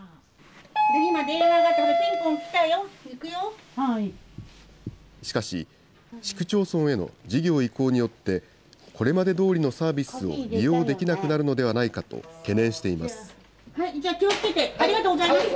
今、電話が、しかし、市区町村への事業移行によって、これまでどおりのサービスを利用できなくなるのではないかと懸念じゃあ、気をつけて、ありがとうございます。